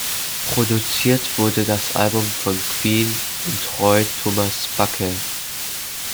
Produziert wurde das Album von Queen und Roy Thomas Baker.